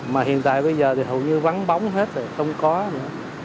mà hiện tại bây giờ thì hầu như vắng bóng hết rồi không có nữa